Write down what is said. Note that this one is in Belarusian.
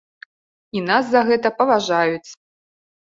І нас за гэта паважаюць!